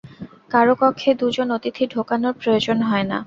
কারো কক্ষে দু জন অতিথি ঢোকানোর প্রয়োজন হয় না।